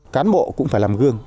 cán bộ cũng phải làm gương